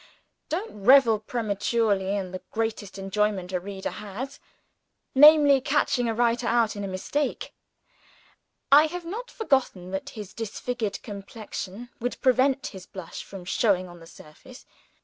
Don't revel prematurely in the greatest enjoyment a reader has namely, catching a writer out in a mistake. I have not forgotten that his disfigured complexion would prevent his blush from showing on the surface.